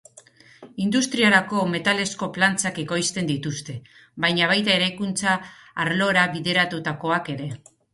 Industriarako metalezko plantxak ekoizten dituzte, baina baita eraikuntza arlora bideratutakoak ere.